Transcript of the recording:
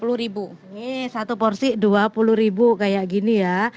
ini satu porsi rp dua puluh kayak gini ya